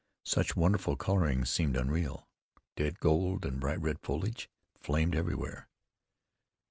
Such wonderful coloring seemed unreal. Dead gold and bright red foliage flamed everywhere.